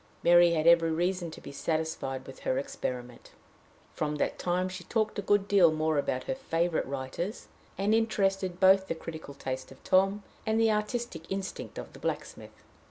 Mary had every reason to be satisfied with her experiment. From that time she talked a good deal more about her favorite writers, and interested both the critical taste of Tom and the artistic instinct of the blacksmith.